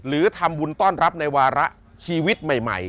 หรือทำบุญต้อนรับในวาระชีวิตใหม่